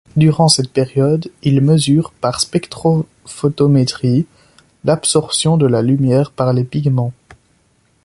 Durant cette période ils mesurent par spectrophotométrie l'absorption de la lumière par les pigments.